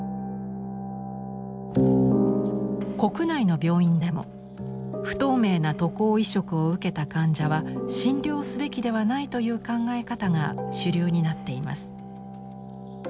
国内の病院でも不透明な渡航移植を受けた患者は診療すべきではないという考え方が主流になっています。